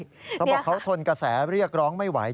เขาบอกเขาทนกระแสเรียกร้องไม่ไหว